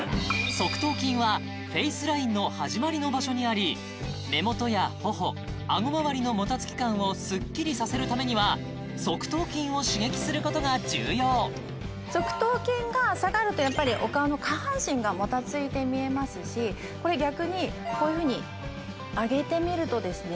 側頭筋はフェイスラインの始まりの場所にあり目元や頬顎まわりのもたつき感をスッキリさせるためには側頭筋を刺激することが重要側頭筋が下がるとやっぱりお顔の下半身がもたついて見えますしこれ逆にこういうふうに上げてみるとですね